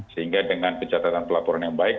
sehingga dengan pencatatan pelaporan yang baik